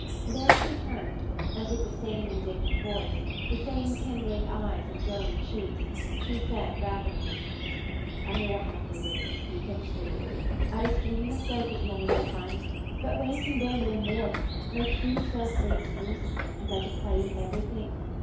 There she turned, and with the same indignant voice, the same kindling eyes and glowing cheeks, she said rapidly, "I know I have no right to speak in this way. I restrain myself as long as I can, but when I can bear no more, my true self breaks loose, and I defy everything.